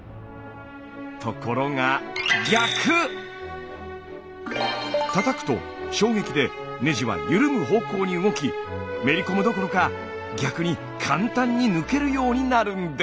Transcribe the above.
ところがたたくと衝撃でネジは緩む方向に動きめり込むどころか逆に簡単に抜けるようになるんです。